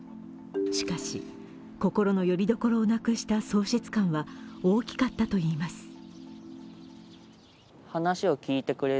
しかし、心のよりどころをなくした喪失感は大きかったといいます。